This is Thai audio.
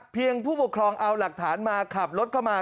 ผู้ปกครองเอาหลักฐานมาขับรถเข้ามา